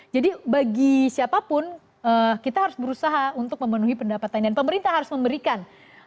jadi bagi siapapun kita harus berusaha untuk memenuhi pendapatan dan pemerintah harus memberikan